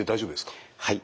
はい。